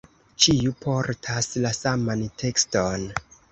Ĉiu portas la saman tekston.